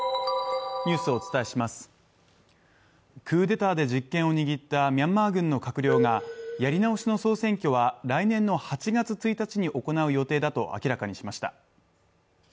クーデターで実権を握ったミャンマー軍の閣僚がやり直しの総選挙は来年の８月１日に行う予定だと明らかにしました。